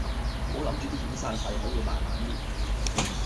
唔好諗住啲遣散費可以慢慢搣